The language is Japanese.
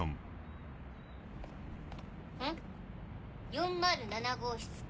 ４０７号室